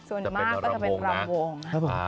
ส่วนมากก็จะเป็นลำวงนะ